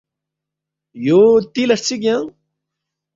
یو تِلے ہرژِک ینگ